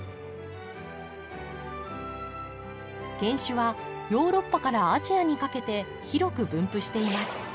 原種はヨーロッパからアジアにかけて広く分布しています。